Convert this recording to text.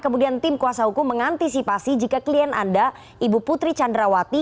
kemudian tim kuasa hukum mengantisipasi jika klien anda ibu putri candrawati